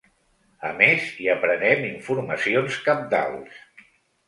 A més, hi aprenem informacions cabdals.